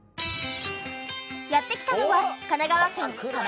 やって来たのは神奈川県鎌倉市。